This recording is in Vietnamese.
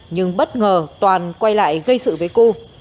nhưng bất ngờ toàn quay lại gây sự với cư